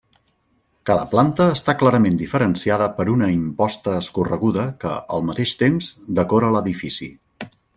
Cada planta està clarament diferenciada per una imposta escorreguda que, al mateix temps, decora l'edifici.